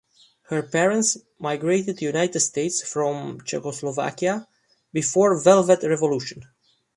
Her parents migrated to United States from Czechoslovakia before Velvet Revolution.